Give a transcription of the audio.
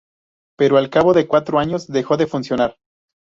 Pero al cabo de cuatro años dejó de funcionar.